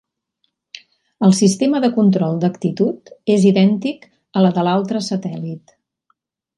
El sistema de control d'actitud és idèntic a la de l'altre satèl·lit.